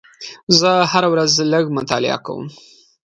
زه هره ورځ لږ مطالعه کوم.